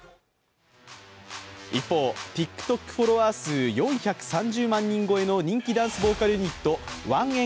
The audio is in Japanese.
一方、ＴｉｋＴｏｋフォロワー数４３０万人超えの人気ダンスボーカルユニットＯＮＥＮ’ＯＮＬＹ